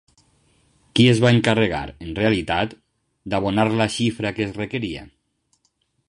Qui es va encarregar en realitat d'abonar la xifra que es requeria?